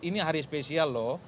ini hari spesial loh